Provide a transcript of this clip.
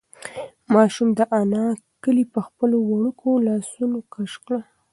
ماشوم د انا کالي په خپلو وړوکو لاسونو کش کړل.